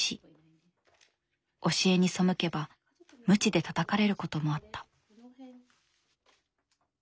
教えに背けばムチでたたかれることもあった。